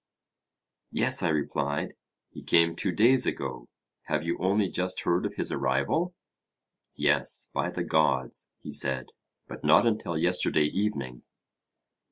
Yes, I replied; he came two days ago: have you only just heard of his arrival? Yes, by the gods, he said; but not until yesterday evening.